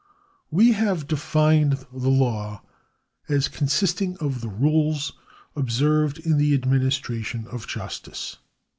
We have defined the law as consisting of the rules observed in the administration of justice.